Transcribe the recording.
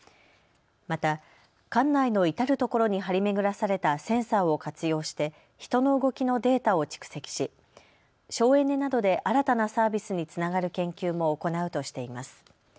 また館内の至る所に張り巡らされたセンサーを活用して人の動きのデータを蓄積し省エネなどで新たなサービスにつながる研究も行うとしています。